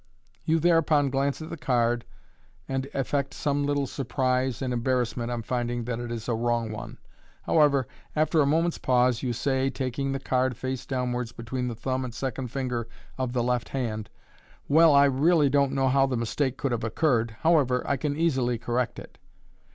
You thereupon glance at the card, and affect some little sur prise and embarrassment on finding that it is a wrong one. How ever, after a moment's pause, you say, taking the card face downwards between the thumb and second linger of the left hand, "Well, I really don't know how the mistake could have occurred. However, I can easily correct it."